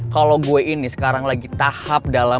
kalau gue ini sekarang lagi tahap dalam